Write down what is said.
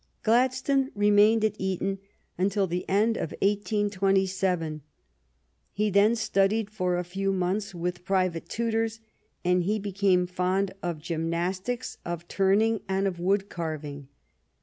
Gladstone remained at Eton until the end of 1827. He then studied for a few months with private tutors, and he became fond of gymnas tics, of turning, and of wood carving.